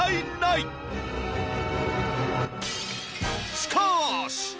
しかーし！